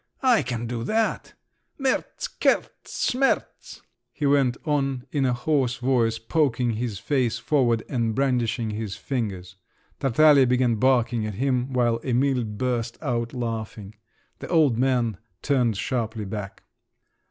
I can do that … merz, kerz, smerz," he went on in a hoarse voice poking his face forward, and brandishing his fingers. Tartaglia began barking at him, while Emil burst out laughing. The old man turned sharply back.